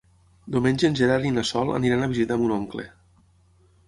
Diumenge en Gerard i na Sol aniran a visitar mon oncle.